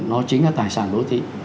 nó chính là tài sản đô thị